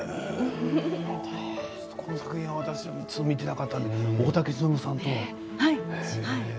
この作品は私は見ていなかったんですけれども大竹しのぶさんと。